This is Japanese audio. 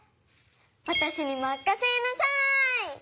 わたしにまかせなさい。